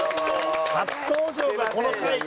初登場がこの回か。